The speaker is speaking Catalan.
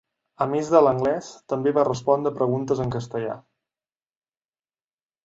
A més de l'anglès, també va respondre a preguntes en castellà.